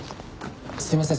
すいません